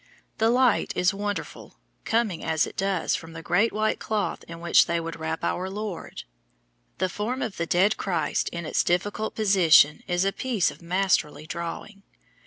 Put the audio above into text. The light is wonderful, coming, as it does, from the great white cloth in which they would wrap our Lord. The form of the dead Christ in its difficult position is a piece of masterly drawing.